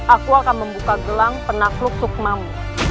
aku akan membuka gelang penakluk sukmamu